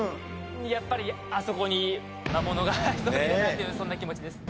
やっぱりあそこに魔物が潜んでたというそんな気持ちです。